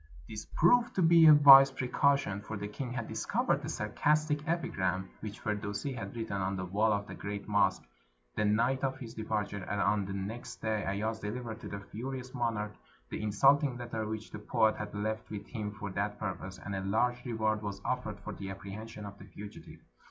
This proved to be a wise precaution, for the king had discovered a sarcastic epigram which Firdusi had written on the wall of the great mosque the night of his departure, and on the next day Ayaz delivered to the furious monarch the insulting letter which the poet had left with him for that purpose, and a large reward was offered for the apprehension of the fugitive.